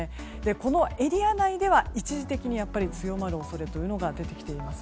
このエリア内では一時的に強まる恐れが出てきています。